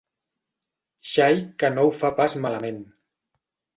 Xai que no ho fa pas malament.